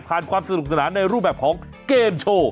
ความสนุกสนานในรูปแบบของเกมโชว์